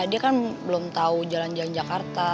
dia kan belum tahu jalan jalan jakarta